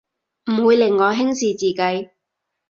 唔會令我輕視自己